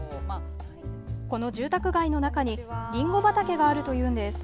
この住宅街の中にりんご畑があるというんです。